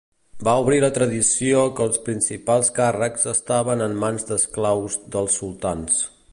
Va obrir la tradició que els principals càrrecs estaven en mans d'esclaus dels sultans.